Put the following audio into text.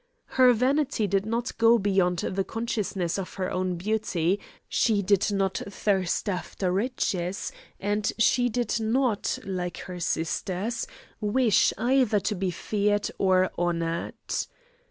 Her vanity did not go beyond the consciousness of her own beauty; she did not thirst after riches, and she did not, like her sisters, wish either to be feared or honoured.